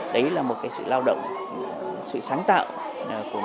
đấy là một cái sự lao động sự sáng tạo của nhà hát của rối